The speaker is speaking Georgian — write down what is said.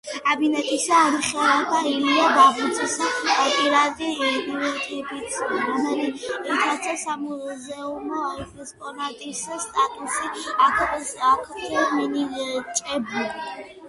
კაბინეტში ინახება ილია აბულაძის პირადი ნივთებიც, რომელთაც სამუზეუმო ექსპონატის სტატუსი აქვთ მინიჭებული.